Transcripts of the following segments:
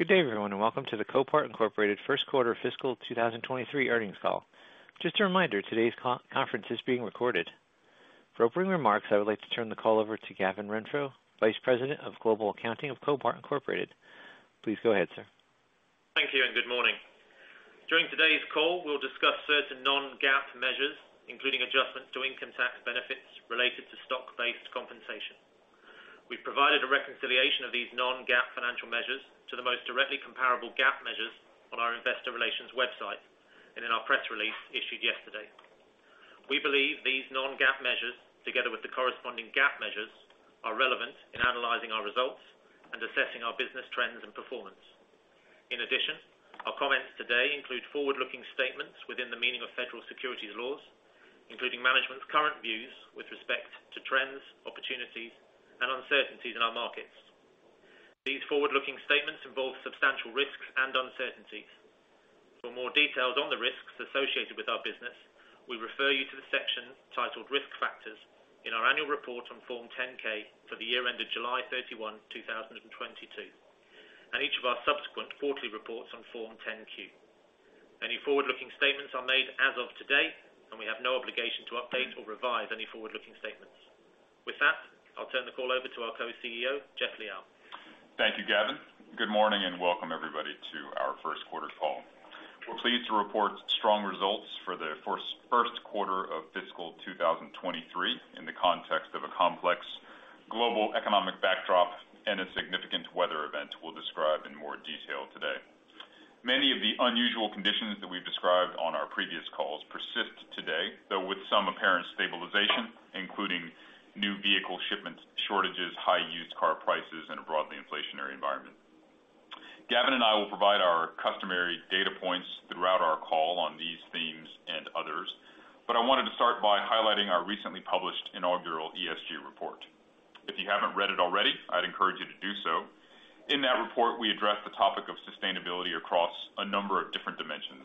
Good day, everyone, and welcome to the Copart, Inc. First Quarter Fiscal 2023 earnings call. Just a reminder, today's conference is being recorded. For opening remarks, I would like to turn the call over to Gavin Renfrew, Vice President of Global Accounting of Copart, Inc. Please go ahead, sir. Thank you and good morning. During today's call, we'll discuss certain non-GAAP measures, including adjustments to income tax benefits related to stock-based compensation. We've provided a reconciliation of these non-GAAP financial measures to the most directly comparable GAAP measures on our investor relations website and in our press release issued yesterday. We believe these non-GAAP measures, together with the corresponding GAAP measures, are relevant in analyzing our results and assessing our business trends and performance. In addition, our comments today include forward-looking statements within the meaning of federal securities laws, including management's current views with respect to trends, opportunities, and uncertainties in our markets. These forward-looking statements involve substantial risks and uncertainties. For more details on the risks associated with our business, we refer you to the section titled Risk Factors in our annual report on Form 10-K for the year ended July 31, 2022, and each of our subsequent quarterly reports on Form 10-Q. Any forward-looking statements are made as of today, and we have no obligation to update or revise any forward-looking statements. With that, I'll turn the call over to our Co-CEO, Jeff Liaw. Thank you, Gavin. Good morning and welcome everybody to our first quarter call. We're pleased to report strong results for the first quarter of fiscal 2023 in the context of a complex global economic backdrop and a significant weather event we'll describe in more detail today. Many of the unusual conditions that we've described on our previous calls persist today, though with some apparent stabilization, including new vehicle shipments shortages, high used car prices, and a broadly inflationary environment. Gavin and I will provide our customary data points throughout our call on these themes and others, but I wanted to start by highlighting our recently published inaugural ESG report. If you haven't read it already, I'd encourage you to do so. In that report, we address the topic of sustainability across a number of different dimensions,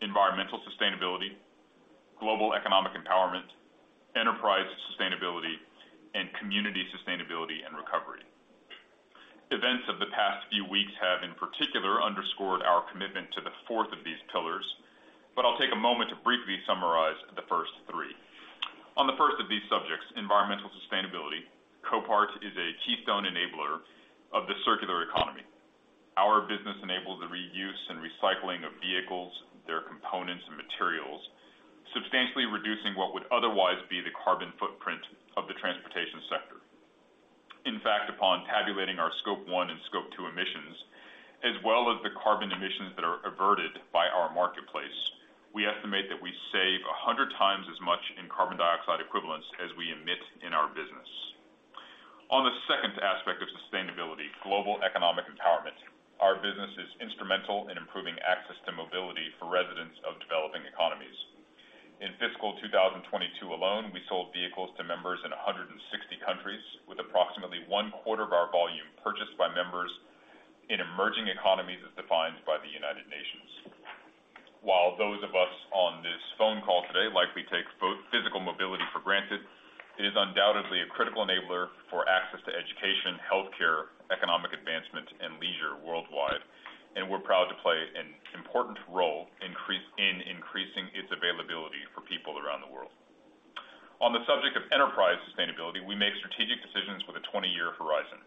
environmental sustainability, global economic empowerment, enterprise sustainability, and community sustainability and recovery. Events of the past few weeks have, in particular, underscored our commitment to the fourth of these pillars, but I'll take a moment to briefly summarize the first three. On the first of these subjects, environmental sustainability, Copart is a keystone enabler of the circular economy. Our business enables the reuse and recycling of vehicles, their components and materials, substantially reducing what would otherwise be the carbon footprint of the transportation sector. In fact, upon tabulating our Scope one and Scope two emissions, as well as the carbon emissions that are averted by our marketplace, we estimate that we save 100 times as much in carbon dioxide equivalents as we emit in our business. On the second aspect of sustainability, global economic empowerment, our business is instrumental in improving access to mobility for residents of developing economies. In fiscal 2022 alone, we sold vehicles to members in 160 countries, with approximately 1/4 of our volume purchased by members in emerging economies as defined by the United Nations. While those of us on this phone call today likely take both physical mobility for granted, it is undoubtedly a critical enabler for access to education, healthcare, economic advancement and leisure worldwide, and we're proud to play an important role in increasing its availability for people around the world. On the subject of enterprise sustainability, we make strategic decisions with a 20-year horizon.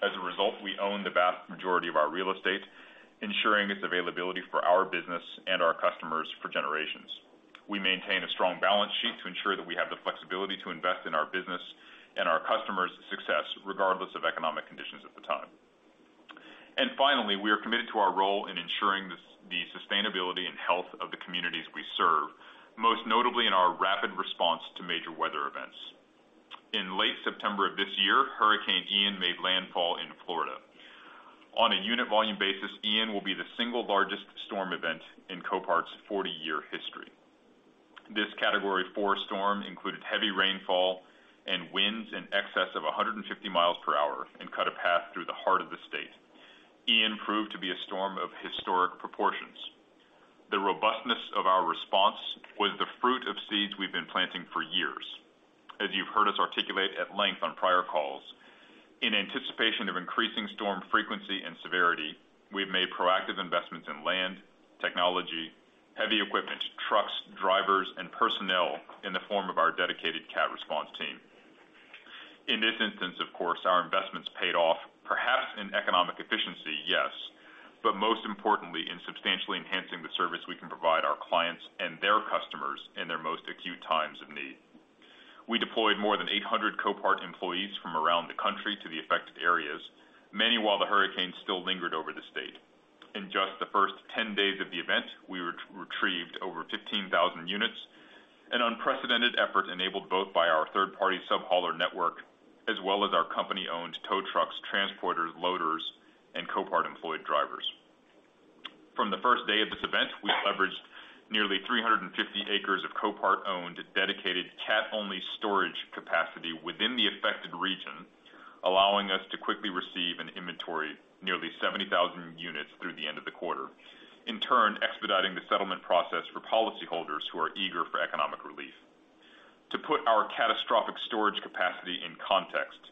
As a result, we own the vast majority of our real estate, ensuring its availability for our business and our customers for generations. We maintain a strong balance sheet to ensure that we have the flexibility to invest in our business and our customers' success regardless of economic conditions at the time. Finally, we are committed to our role in ensuring the sustainability and health of the communities we serve, most notably in our rapid response to major weather events. In late September of this year, Hurricane Ian made landfall in Florida. On a unit volume basis, Ian will be the single largest storm event in Copart's 40-year history. This Category four storm included heavy rainfall and winds in excess of 150 mph and cut a path through the heart of the state. Ian proved to be a storm of historic proportions. The robustness of our response was the fruit of seeds we've been planting for years. As you've heard us articulate at length on prior calls, in anticipation of increasing storm frequency and severity, we have made proactive investments in land, technology, heavy equipment, trucks, drivers, and personnel in the form of our dedicated CAT response team. In this instance, of course, our investments paid off, perhaps in economic efficiency, yes, but most importantly, in substantially enhancing the service we can provide our clients and their customers in their most acute times of need. We deployed more than 800 Copart employees from around the country to the affected areas, many while the hurricane still lingered over the state. In just the first 10 days of the event, we retrieved over 15,000 units, an unprecedented effort enabled both by our third-party subhauler network as well as our company-owned tow trucks, transporters, loaders, and Copart-employed drivers. From the first day of this event, we leveraged nearly 350 acres of Copart-owned dedicated CAT-only storage capacity within the affected region, allowing us to quickly receive and inventory nearly 70,000 units through the end of the quarter, in turn expediting the settlement process for policyholders who are eager for economic relief. To put our catastrophic storage capacity in context,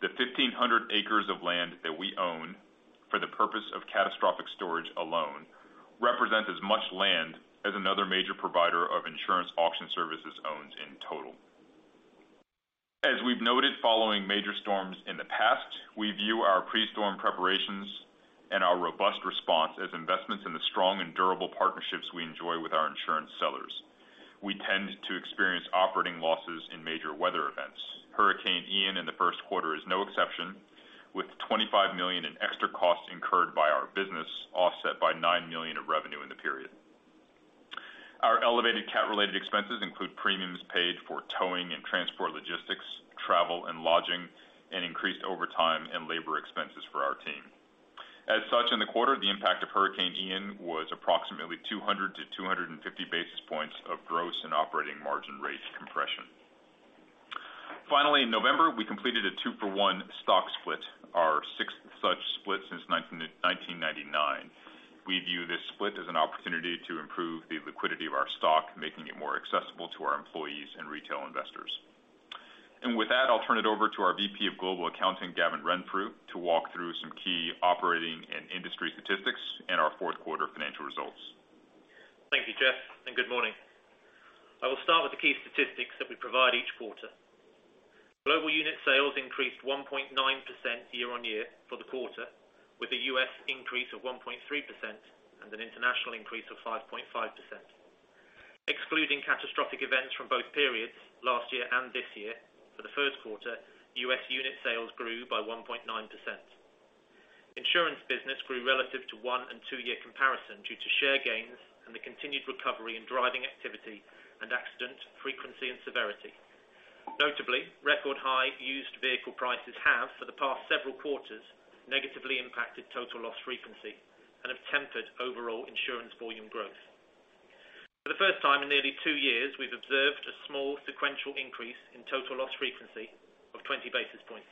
the 1,500 acres of land that we own for the purpose of catastrophic storage alone represents as much land as another major provider of insurance auction services owns in total. As we've noted following major storms in the past, we view our pre-storm preparations and our robust response as investments in the strong and durable partnerships we enjoy with our insurance sellers. We tend to experience operating losses in major weather events. Hurricane Ian in the first quarter is no exception, with $25 million in extra costs incurred by our business offset by $9 million of revenue in the period. Our elevated CAT-related expenses include premiums paid for towing and transport logistics, travel and lodging, and increased overtime and labor expenses for our team. As such, in the quarter, the impact of Hurricane Ian was approximately 200 basis points-250 basis points of gross and operating margin rate compression. Finally, in November, we completed a two-for-one stock split, our sixth such split since 1999. We view this split as an opportunity to improve the liquidity of our stock, making it more accessible to our employees and retail investors. With that, I'll turn it over to our VP of Global Accounting, Gavin Renfrew, to walk through some key operating and industry statistics and our fourth quarter financial results. Thank you, Jeff, and good morning. I will start with the key statistics that we provide each quarter. Global unit sales increased 1.9% year-on-year for the quarter, with a U.S. increase of 1.3% and an international increase of 5.5%. Excluding catastrophic events from both periods last year and this year, for the first quarter, U.S. unit sales grew by 1.9%. Insurance business grew relative to one- and two-year comparison due to share gains and the continued recovery in driving activity and accident frequency and severity. Notably, record high used vehicle prices have for the past several quarters negatively impacted total loss frequency and have tempered overall insurance volume growth. For the first time in nearly two years, we've observed a small sequential increase in total loss frequency of 20 basis points.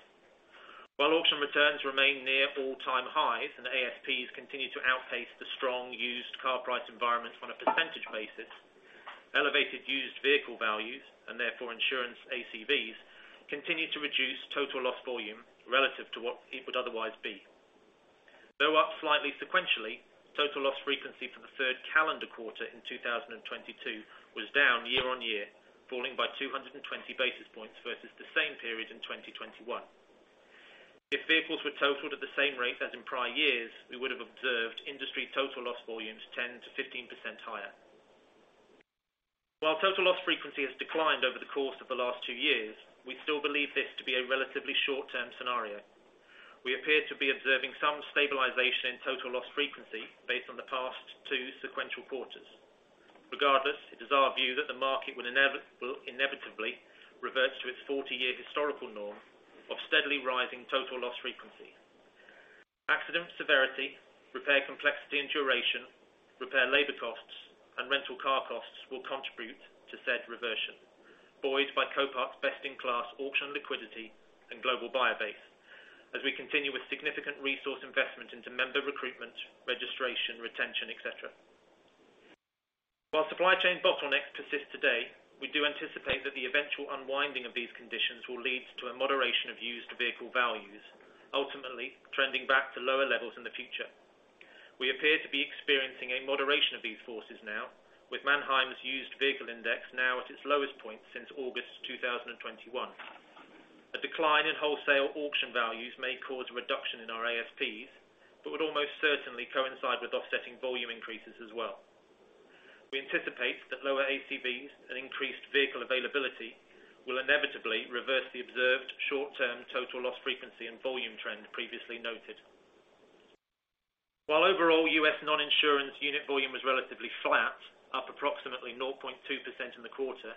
While auction returns remain near all-time highs and ASPs continue to outpace the strong used car price environment on a percentage basis, elevated used vehicle values, and therefore insurance ACVs, continue to reduce total loss volume relative to what it would otherwise be. Though up slightly sequentially, total loss frequency for the third calendar quarter in 2022 was down year-on-year, falling by 220 basis points versus the same period in 2021. If vehicles were totaled at the same rate as in prior years, we would have observed industry total loss volumes 10%-15% higher. While total loss frequency has declined over the course of the last two years, we still believe this to be a relatively short-term scenario. We appear to be observing some stabilization in total loss frequency based on the past two sequential quarters. Regardless, it is our view that the market will inevitably revert to its 40-year historical norm of steadily rising total loss frequency. Accident severity, repair complexity and duration, repair labor costs, and rental car costs will contribute to said reversion, buoyed by Copart's best-in-class auction liquidity and global buyer base as we continue with significant resource investment into member recruitment, registration, retention, et cetera. While supply chain bottlenecks persist today, we do anticipate that the eventual unwinding of these conditions will lead to a moderation of used vehicle values, ultimately trending back to lower levels in the future. We appear to be experiencing a moderation of these forces now with Manheim's Used Vehicle Index now at its lowest point since August 2021. A decline in wholesale auction values may cause a reduction in our ASPs, but would almost certainly coincide with offsetting volume increases as well. We anticipate that lower ACVs and increased vehicle availability will inevitably reverse the observed short-term total loss frequency and volume trend previously noted. While overall U.S. non-insurance unit volume was relatively flat, up approximately 0.2% in the quarter,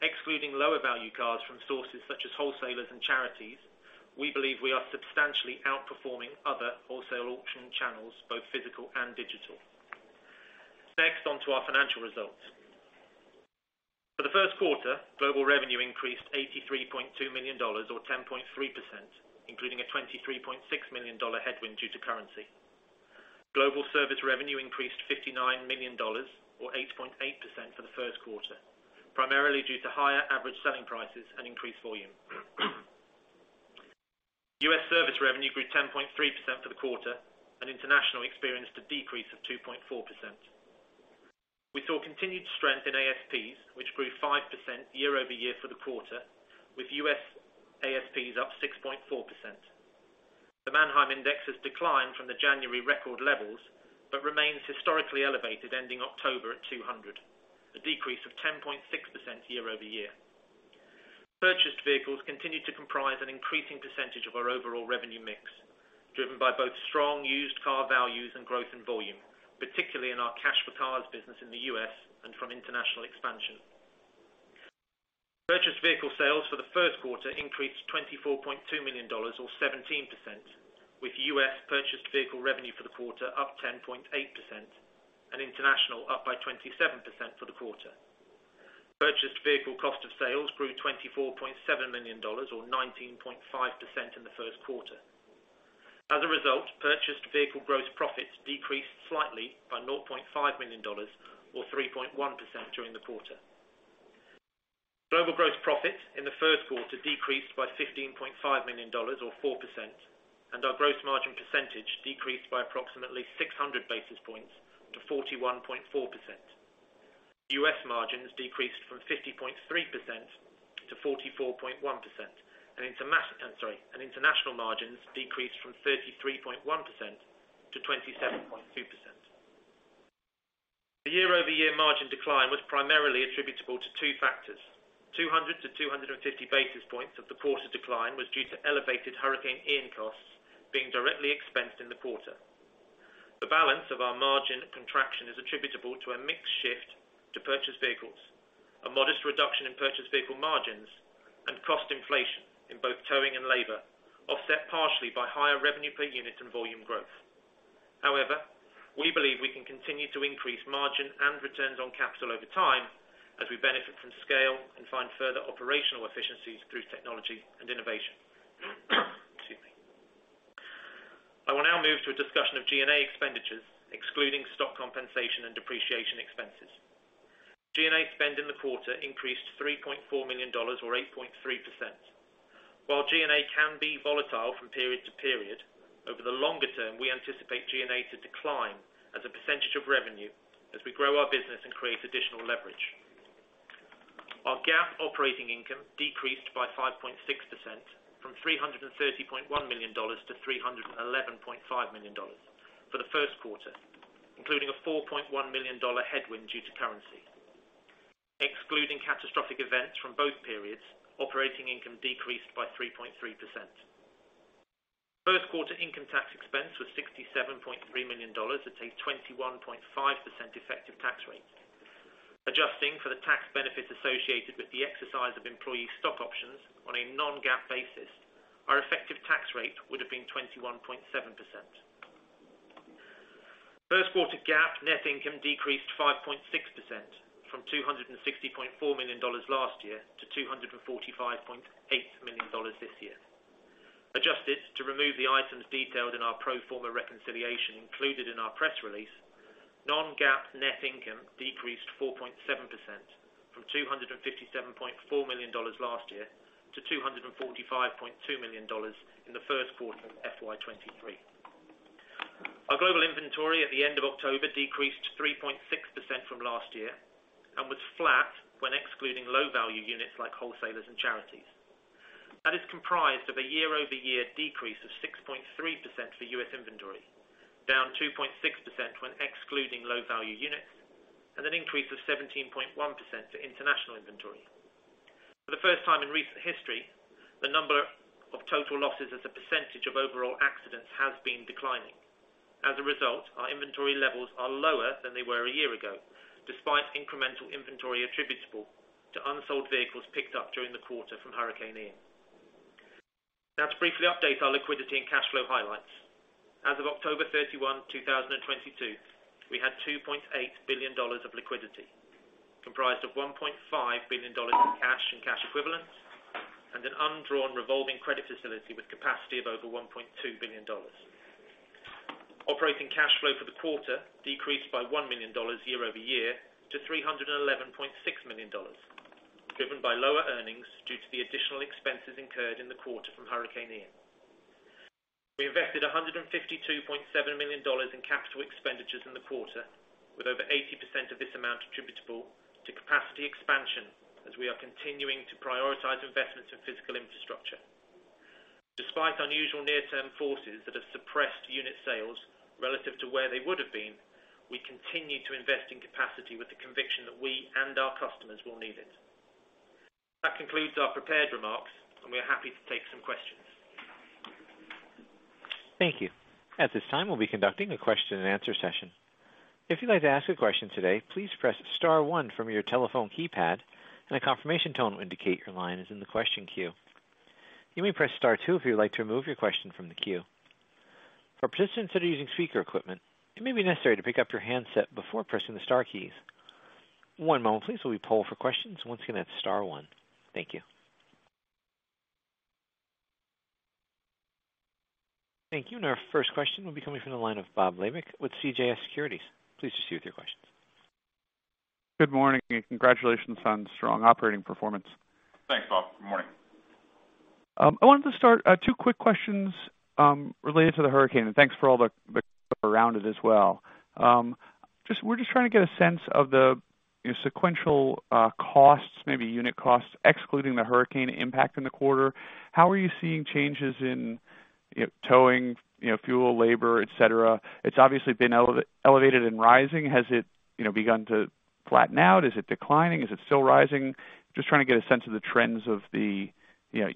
excluding lower value cars from sources such as wholesalers and charities, we believe we are substantially outperforming other wholesale auction channels, both physical and digital. Next, onto our financial results. For the first quarter, global revenue increased $83.2 million or 10.3%, including a $23.6 million headwind due to currency. Global service revenue increased $59 million or 8.8% for the first quarter, primarily due to higher average selling prices and increased volume. U.S. service revenue grew 10.3% for the quarter and international experienced a decrease of 2.4%. We saw continued strength in ASPs, which grew 5% year-over-year for the quarter, with U.S. ASPs up 6.4%. The Manheim Index has declined from the January record levels, but remains historically elevated, ending October at 200, a decrease of 10.6% year-over-year. Purchased vehicles continued to comprise an increasing percentage of our overall revenue mix, driven by both strong used car values and growth in volume, particularly in our Cash For Cars business in the U.S. and from international expansion. Purchased vehicle sales for the first quarter increased $24.2 million or 17%, with U.S. purchased vehicle revenue for the quarter up 10.8% and international up by 27% for the quarter. Purchased vehicle cost of sales grew $24.7 million or 19.5% in the first quarter. As a result, purchased vehicle gross profits decreased slightly by $0.5 million or 3.1% during the quarter. Global gross profit in the first quarter decreased by $15.5 million or 4%, and our gross margin percentage decreased by approximately 600 basis points to 41.4%. U.S. margins decreased from 50.3% to 44.1%. International margins decreased from 33.1% to 27.2%. The year-over-year margin decline was primarily attributable to two factors. 200-250 basis points of the quarter decline was due to elevated Hurricane Ian costs being directly expensed in the quarter. The balance of our margin contraction is attributable to a mix shift to purchase vehicles, a modest reduction in purchase vehicle margins, and cost inflation in both towing and labor, offset partially by higher revenue per unit and volume growth. However, we believe we can continue to increase margin and returns on capital over time as we benefit from scale and find further operational efficiencies through technology and innovation. Excuse me. I will now move to a discussion of G&A expenditures, excluding stock compensation and depreciation expenses. G&A spend in the quarter increased $3.4 million or 8.3%. While G&A can be volatile from period to period, over the longer term, we anticipate G&A to decline as a percentage of revenue as we grow our business and create additional leverage. Our GAAP operating income decreased by 5.6% from $330.1 million to $311.5 million for the first quarter, including a $4.1 million headwind due to currency. Excluding catastrophic events from both periods, operating income decreased by 3.3%. First quarter income tax expense was $67.3 million at a 21.5% effective tax rate. Adjusting for the tax benefits associated with the exercise of employee stock options on a non-GAAP basis, our effective tax rate would have been 21.7%. First quarter GAAP net income decreased 5.6% from $260.4 million last year to $245.8 million this year. Adjusted to remove the items detailed in our pro forma reconciliation included in our press release, non-GAAP net income decreased 4.7% from $257.4 million last year to $245.2 million in the first quarter of F.Y. 2023. Our global inventory at the end of October decreased 3.6% from last year and was flat when excluding low-value units like wholesalers and charities. That is comprised of a year-over-year decrease of 6.3% for U.S. inventory, down 2.6% when excluding low-value units, and an increase of 17.1% to international inventory. For the first time in recent history, the number of total losses as a percentage of overall accidents has been declining. As a result, our inventory levels are lower than they were a year ago, despite incremental inventory attributable to unsold vehicles picked up during the quarter from Hurricane Ian. Now to briefly update our liquidity and cash flow highlights. As of October 31, 2022, we had $2.8 billion of liquidity, comprised of $1.5 billion in cash and cash equivalents and an undrawn revolving credit facility with capacity of over $1.2 billion. Operating cash flow for the quarter decreased by $1 million year-over-year to $311.6 million, driven by lower earnings due to the additional expenses incurred in the quarter from Hurricane Ian. We invested $152.7 million in capital expenditures in the quarter, with over 80% of this amount attributable to capacity expansion, as we are continuing to prioritize investments in physical infrastructure. Despite unusual near-term forces that have suppressed unit sales relative to where they would have been, we continue to invest in capacity with the conviction that we and our customers will need it. That concludes our prepared remarks, and we are happy to take some questions. Thank you. At this time, we'll be conducting a question and answer session. If you'd like to ask a question today, please press star one from your telephone keypad and a confirmation tone will indicate your line is in the question queue. You may press star two if you would like to remove your question from the queue. For participants that are using speaker equipment, it may be necessary to pick up your handset before pressing the star keys. One moment please, while we poll for questions. Once again, that's star one. Thank you. Our first question will be coming from the line of Bob Labick with CJS Securities. Please proceed with your questions. Good morning, and congratulations on strong operating performance. Thanks, Bob. Good morning. I wanted to start, two quick questions related to the hurricane, and thanks for all the around it as well. We're just trying to get a sense of the, you know, sequential costs, maybe unit costs, excluding the hurricane impact in the quarter. How are you seeing changes in, you know, towing, you know, fuel, labor, et cetera? It's obviously been elevated and rising. Has it, you know, begun to flatten out? Is it declining? Is it still rising? Just trying to get a sense of the trends of the, you know,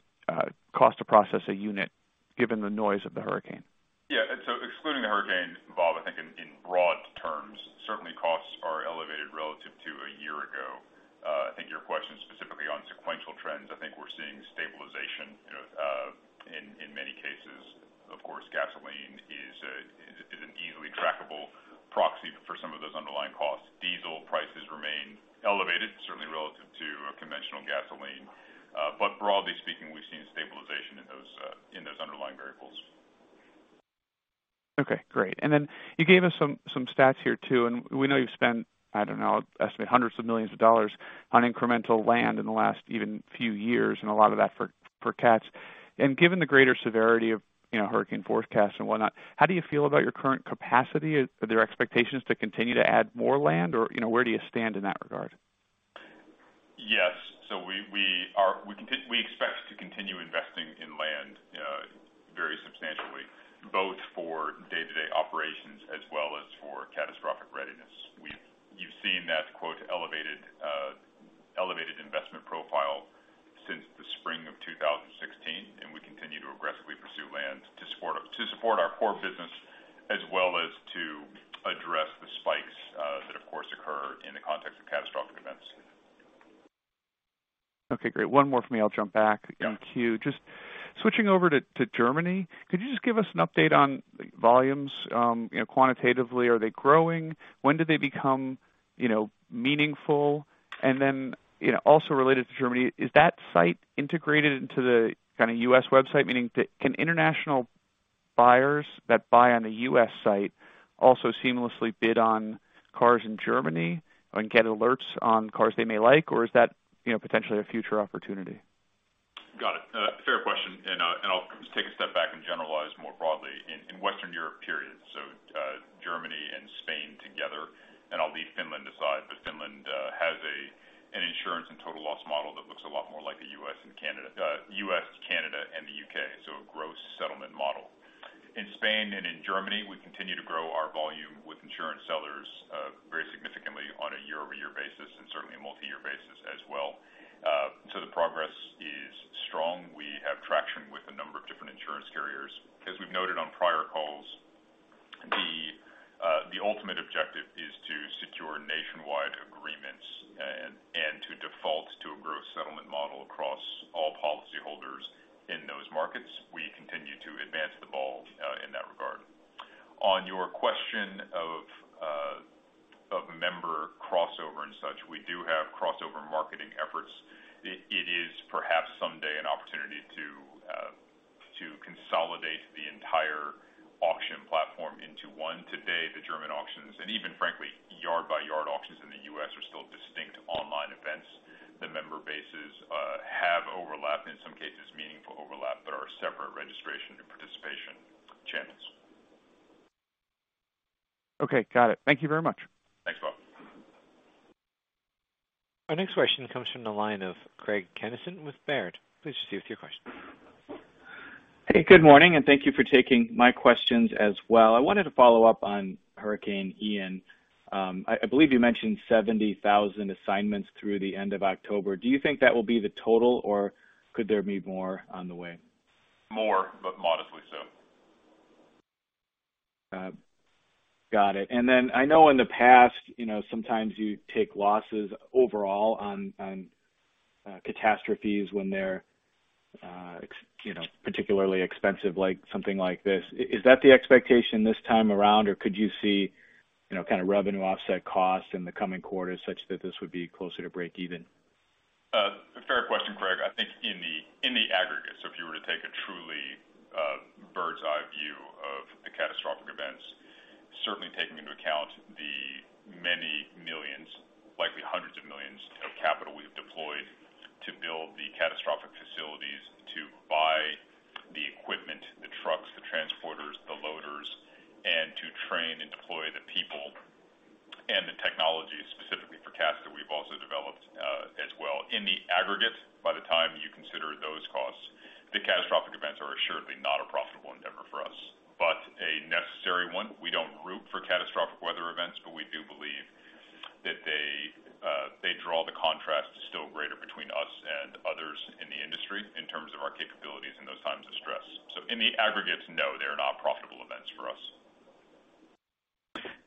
cost to process a unit given the noise of the hurricane. Yeah. Excluding the hurricane, Bob, I think in broad terms, certainly costs are elevated relative to a year ago. I think your question is specifically on sequential trends. I think we're seeing stabilization, you know, in many cases. Of course, gasoline Proxy for some of those underlying costs. Diesel prices remain elevated, certainly relative to conventional gasoline. Broadly speaking, we've seen stabilization in those underlying variables. Okay, great. You gave us some stats here too, and we know you've spent, I don't know, estimate $hundreds of millions on incremental land in the last even few years, and a lot of that for CAT. Given the greater severity of, you know, hurricane forecasts and whatnot, how do you feel about your current capacity? Are there expectations to continue to add more land or, you know, where do you stand in that regard? Yes. We expect to continue investing in land very substantially, both for day-to-day operations as well as for catastrophic readiness. You've seen that quite elevated investment profile since the spring of 2016, and we continue to aggressively pursue land to support our core business as well as to address the spikes that of course occur in the context of catastrophic events. Okay, great. One more from me, I'll jump back in queue. Just switching over to Germany, could you just give us an update on volumes? You know, quantitatively, are they growing? When do they become, you know, meaningful? You know, also related to Germany, is that site integrated into the kinda U.S. website? Meaning that can international buyers that buy on the U.S. site also seamlessly bid on cars in Germany and get alerts on cars they may like? Is that, you know, potentially a future opportunity? Got it. Fair question. I'll just take a step back and generalize more broadly. In Western Europe, period, Germany and Spain together, and I'll leave Finland aside, but Finland has an insurance and total loss model that looks a lot more like the U.S., Canada, and the U.K. A gross settlement model. In Spain and in Germany, we continue to grow our volume with insurance sellers very significantly on a year-over-year basis and certainly a multi-year basis as well. The progress is strong. We have traction with a number of different insurance carriers. As we've noted on prior calls, the ultimate objective is to secure nationwide agreements and to default to a gross settlement model across all policyholders in those markets. We continue to advance the ball in that regard. On your question of member crossover and such, we do have crossover marketing efforts. It is perhaps someday an opportunity to consolidate the entire auction platform into one. Today, the German auctions, and even frankly, yard by yard auctions in the U.S. are still distinct online events. The member bases have overlap, in some cases meaningful overlap, but are separate registration and participation channels. Okay, got it. Thank you very much. Thanks, Bob. Our next question comes from the line of Craig Kennison with Baird. Please proceed with your question. Hey, good morning. Thank you for taking my questions as well. I wanted to follow up on Hurricane Ian. I believe you mentioned 70,000 assignments through the end of October. Do you think that will be the total, or could there be more on the way? More, but modestly so. Got it. I know in the past, you know, sometimes you take losses overall on catastrophes when they're, you know, particularly expensive, like something like this. Is that the expectation this time around? Could you see, you know, kinda revenue offset costs in the coming quarters such that this would be closer to break even? A fair question, Craig. I think in the aggregate, if you were to take a truly bird's-eye view of the catastrophic events, certainly taking into account the many millions, likely hundreds of millions of capital we have deployed to build the catastrophic facilities to buy the equipment, the trucks, the transporters, the loaders, and to train and deploy the people and the technology specifically for CATs that we've also developed as well. In the aggregate, by the time you consider those costs, the catastrophic events are assuredly not a profitable endeavor for us, but a necessary one. We don't root for catastrophic weather events, but we do believe that they draw the contrast still greater between us and others in the industry in terms of our capabilities in those times of stress. In the aggregates, no, they're not profitable events for us.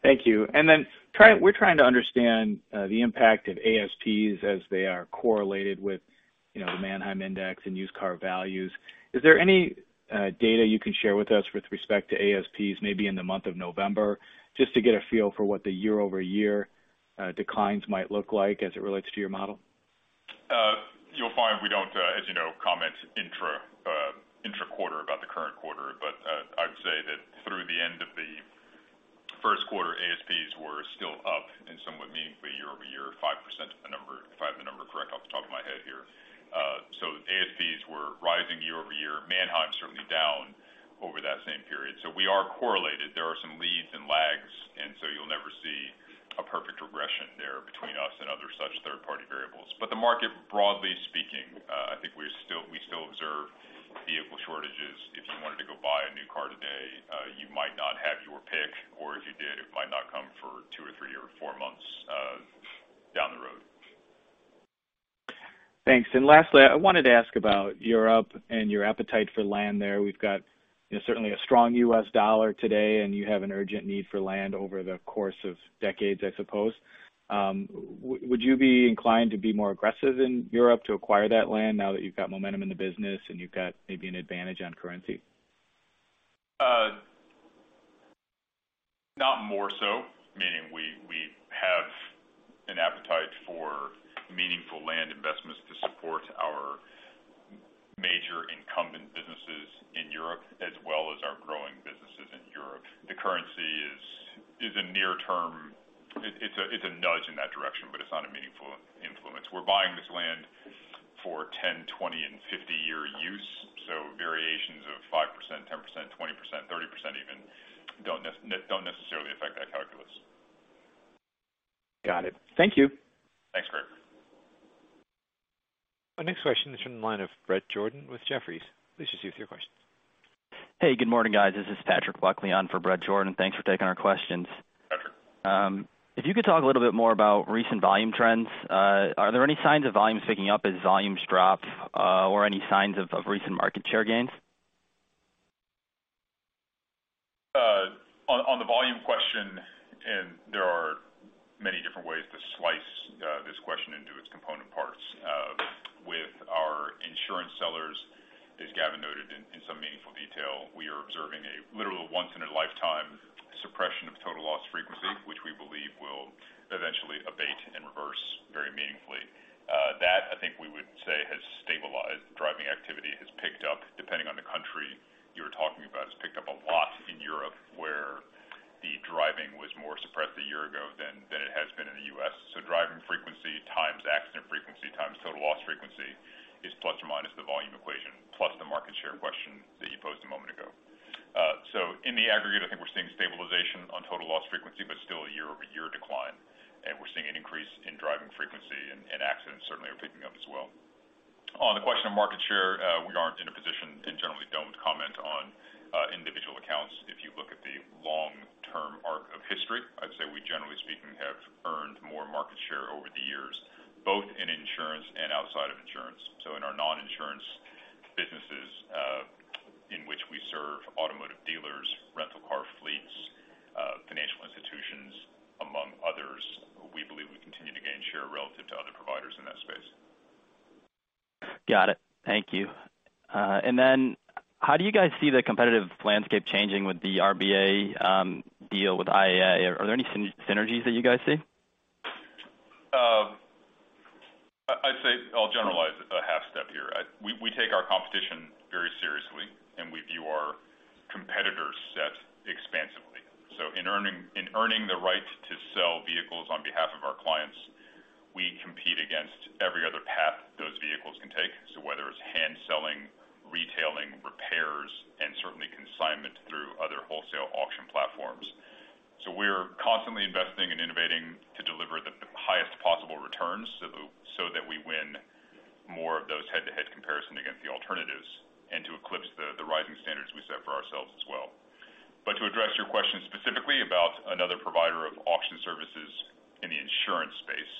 Thank you. We're trying to understand the impact of ASPs as they are correlated with, you know, the Manheim Index and used car values. Is there any data you can share with us with respect to ASPs maybe in the month of November, just to get a feel for what the year-over-year declines might look like as it relates to your model? You'll find we don't, as you know, comment intra-quarter about the current quarter. I would say that through the end of the first quarter, ASPs were still up and somewhat meaningfully year-over-year, 5% of the number, if I have the number correct off the top of my head here. ASPs were rising year-over-year, Manheim certainly down over that same period. We are correlated. There are some leads and lags, and so you'll never see a perfect regression there between us and other such third-party variables. The market, broadly speaking, I think we still observe vehicle shortages. If you wanted to go buy a new car today, you might not have your pick, or if you did, it might not come for two or three or four months down the road. Thanks. Lastly, I wanted to ask about Europe and your appetite for land there. We've got, you know, certainly a strong U.S. dollar today, and you have an urgent need for land over the course of decades, I suppose. Would you be inclined to be more aggressive in Europe to acquire that land now that you've got momentum in the business and you've got maybe an advantage on currency? Not more so. Meaningful land investments to support our major incumbent businesses in Europe as well as our growing businesses in Europe. The currency is a near term. It's a nudge in that direction. It's not a meaningful influence. We're buying this land for 10, 20, and 50-year use. Variations of 5%, 10%, 20%, 30% even don't necessarily affect that calculus. Got it. Thank you. Thanks, Craig. Our next question is from the line of Bret Jordan with Jefferies. Please proceed with your question. Hey, good morning, guys. This is Patrick Buckley on for Bret Jordan. Thanks for taking our questions. Patrick. If you could talk a little bit more about recent volume trends. Are there any signs of volumes picking up as volumes drop, or any signs of recent market share gains? On the volume question, and there are many different ways to slice this question into its component parts. With our insurance sellers, as Gavin noted in some meaningful detail, we are observing a literal once in a lifetime suppression of total loss frequency, which we believe will eventually abate and reverse very meaningfully. That I think we would say has stabilized. Driving activity has picked up, depending on the country you're talking about. It's picked up a lot in Europe, where the driving was more suppressed a year ago than it has been in the U.S. Driving frequency times accident frequency times total loss frequency is ± the volume equation, plus the market share question that you posed a moment ago. In the aggregate, I think we're seeing stabilization on total loss frequency, but still a year-over-year decline. We're seeing an increase in driving frequency, and accidents certainly are picking up as well. On the question of market share, we aren't in a position and generally don't comment on individual accounts. If you look at the long-term arc of history, I'd say we, generally speaking, have earned more market share over the years, both in insurance and outside of insurance. In our non-insurance businesses, in which we serve automotive dealers, rental car fleets, financial institutions, among others, we believe we continue to gain share relative to other providers in that space. Got it. Thank you. How do you guys see the competitive landscape changing with the RBA deal with IAA? Are there any synergies that you guys see? I'd say I'll generalize it a half step here. We take our competition very seriously, and we view our competitor set expansively. In earning the right to sell vehicles on behalf of our clients, we compete against every other path those vehicles can take. Whether it's hand selling, retailing, repairs, and certainly consignment through other wholesale auction platforms. We're constantly investing and innovating to deliver the highest possible returns so that we win more of those head-to-head comparison against the alternatives and to eclipse the rising standards we set for ourselves as well. To address your question specifically about another provider of auction services in the insurance space,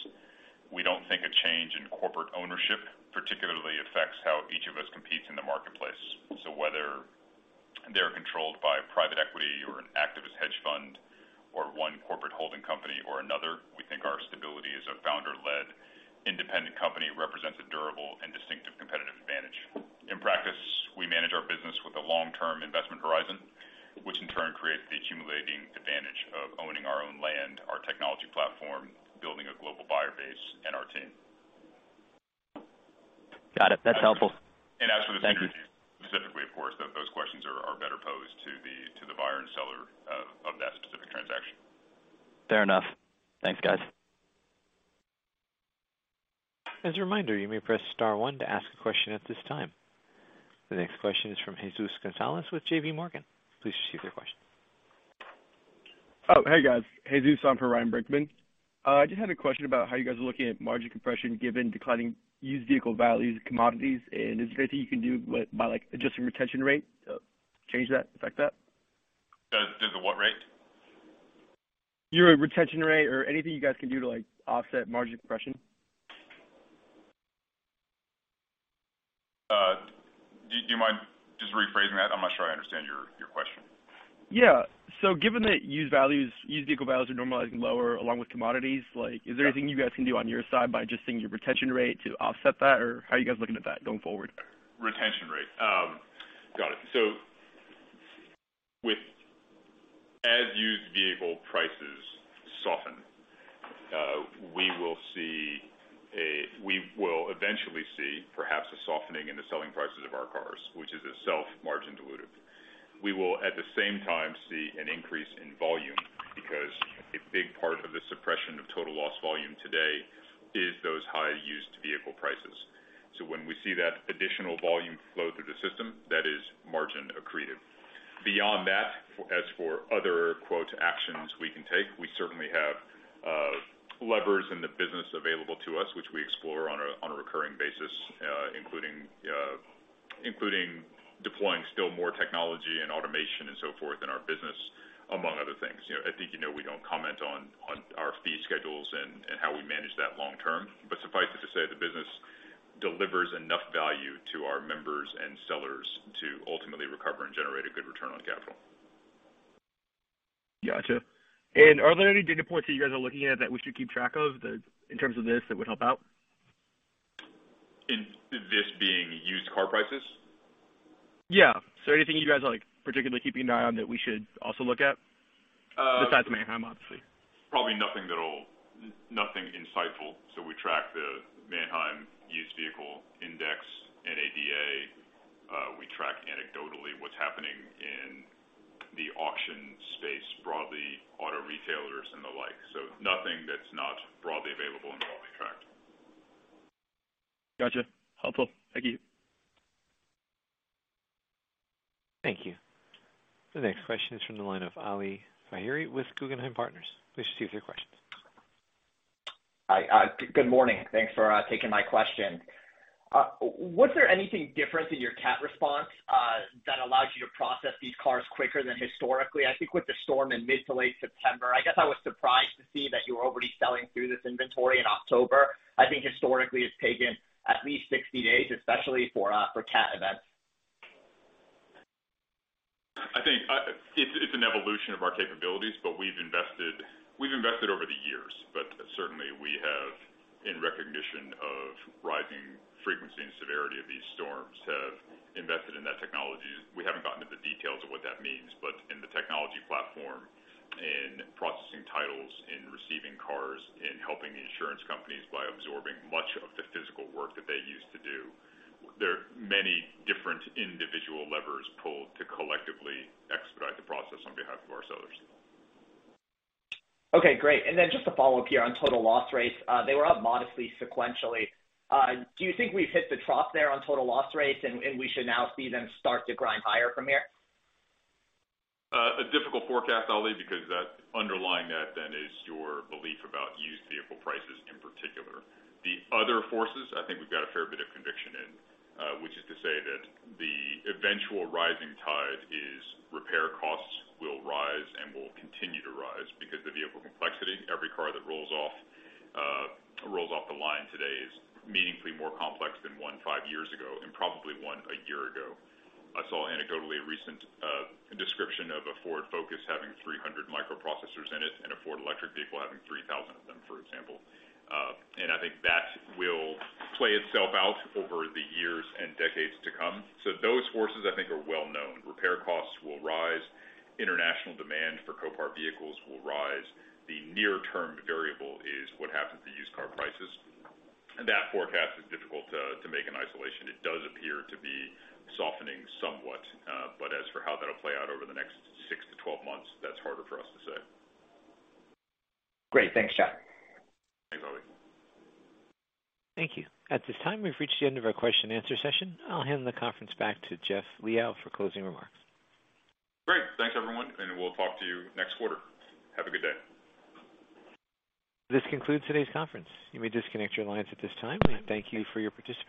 we don't think a change in corporate ownership particularly affects how each of us competes in the marketplace. Whether they're controlled by private equity or an activist hedge fund or one corporate holding company or another, we think our stability as a founder-led independent company represents a durable and distinctive competitive advantage. In practice, we manage our business with a long-term investment horizon, which in turn creates the accumulating advantage of owning our own land, our technology platform, building a global buyer base, and our team. Got it. That's helpful. Thank you. As for the synergies specifically, of course, those questions are better posed to the buyer and seller of that specific transaction. Fair enough. Thanks, guys. As a reminder, you may press star one to ask a question at this time. The next question is from Jesus Gonzalez with JPMorgan. Please proceed with your question. Oh, hey, guys. Jesus on for Ryan Brinkman. I just had a question about how you guys are looking at margin compression given declining used vehicle values and commodities. Is there anything you can do by like adjusting retention rate to affect that? What rate? Your retention rate or anything you guys can do to, like, offset margin compression? Do you mind just rephrasing that? I'm not sure I understand your question. Yeah. Given that used vehicle values are normalizing lower along with commodities, like, is there anything you guys can do on your side by adjusting your retention rate to offset that? How are you guys looking at that going forward? Retention rate. Got it. As used vehicle prices soften, we will eventually see perhaps a softening in the selling prices of our cars, which is itself margin dilutive. We will at the same time see an increase in volume because a big part of the suppression of total loss volume today is those high used vehicle prices. When we see that additional volume flow through the system, that is margin accretive. Beyond that, as for other quote, actions we can take, we certainly have levers in the business available to us, which we explore on a recurring basis, including deploying still more technology and automation and so forth in our business, among other things. You know, I think, you know, we don't comment on our fee schedules and how we manage that long term. Suffice it to say, the business delivers enough value to our members and sellers to ultimately recover and generate a good return on capital. Gotcha. Are there any data points that you guys are looking at that we should keep track of in terms of this that would help out? This being used car prices? Yeah. Anything you guys are like particularly keeping an eye on that we should also look at, besides Manheim, obviously? Probably nothing insightful. We track the Manheim Used Vehicle Index, NADA. We track anecdotally what's happening in the auction space broadly, auto retailers and the like. Nothing that's not broadly available and broadly tracked. Gotcha. Helpful. Thank you. Thank you. The next question is from the line of Ali Faghri with Guggenheim Partners. Please proceed with your questions. Hi, good morning. Thanks for taking my question. Was there anything different in your CAT response that allows you to process these cars quicker than historically? I think with the storm in mid to late September, I guess I was surprised to see that you were already selling through this inventory in October. I think historically it's taken at least 60 days, especially for CAT events. I think it's an evolution of our capabilities, but we've invested over the years. Certainly we have, in recognition of rising frequency and severity of these storms, have invested in that technology. We haven't gotten to the details of what that means, but in the technology platform, in processing titles, in receiving cars, in helping the insurance companies by absorbing much of the physical work that they used to do. There are many different individual levers pulled to collectively expedite the process on behalf of our sellers. Okay, great. Just a follow-up here on total loss rates. They were up modestly sequentially. Do you think we've hit the trough there on total loss rates and we should now see them start to grind higher from here? A difficult forecast, Ali, because underlying that then is your belief about used vehicle prices in particular. The other forces, I think we've got a fair bit of conviction in, which is to say that the eventual rising tide is repair costs will rise and will continue to rise because of vehicle complexity. Every car that rolls off the line today is meaningfully more complex than one five years ago and probably one a year ago. I saw anecdotally a recent description of a Ford Focus having 300 microprocessors in it and a Ford electric vehicle having 3,000 of them, for example. I think that will play itself out over the years and decades to come. Those forces I think are well known. Repair costs will rise, international demand for Copart vehicles will rise. The near-term variable is what happens to used car prices. That forecast is difficult to make in isolation. It does appear to be softening somewhat. As for how that'll play out over the next six-12 months, that's harder for us to say. Great. Thanks, Jeff. Thanks, Ali. Thank you. At this time, we've reached the end of our question and answer session. I'll hand the conference back to Jeff Liaw for closing remarks. Great. Thanks, everyone, and we'll talk to you next quarter. Have a good day. This concludes today's conference. You may disconnect your lines at this time. We thank you for your participation.